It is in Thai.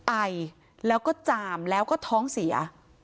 ไอแล้วก็จามแล้วก็ท้องเสีย